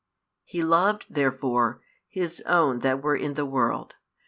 He loved therefore His own that were in the world.